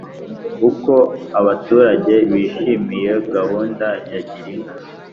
Uko abaturage bishimiye gahunda ya Girinka